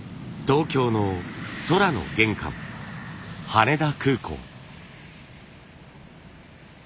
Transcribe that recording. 東京の空の玄関羽田空港。